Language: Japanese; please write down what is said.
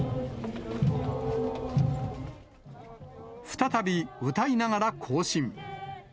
再び歌いながら行進。